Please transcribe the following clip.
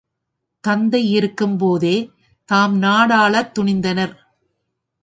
தந்தை இருக்கும்போதே, தாம் நாடாளத் துணிந்தனர்.